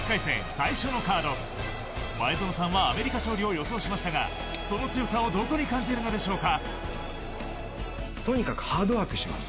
最初のカード前園さんはアメリカ勝利を予想しましたがその強さをどこに感じるのでしょうか。